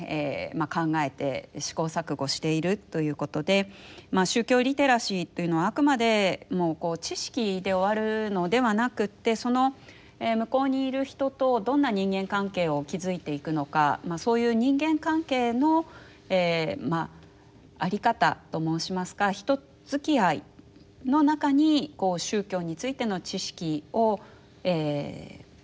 考えて試行錯誤しているということで宗教リテラシーというのはあくまで知識で終わるのではなくってその向こうにいる人とどんな人間関係を築いていくのかそういう人間関係の在り方と申しますか人づきあいの中に宗教についての知識をうまく入れ込んでいく。